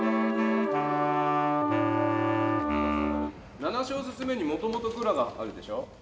７小節目にもともとクラがあるでしょ。